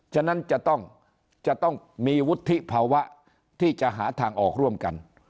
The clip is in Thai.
ฉะนั้นจะต้องมีวุฒิภาวะที่จะหาทางออกร่วมกัน